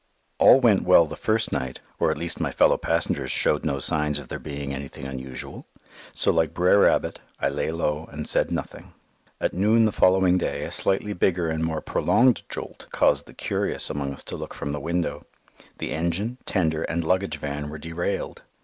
All went well the first night, or at least my fellow passengers showed no signs of there being anything unusual, so like Brer Rabbit, I lay low and said nothing. At noon the following day a slightly bigger and more prolonged jolt caused the curious among us to look from the window. The engine, tender, and luggage van were derailed.